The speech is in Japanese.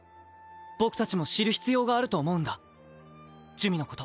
僕たちも知る必要があると思うんだ珠魅のこと。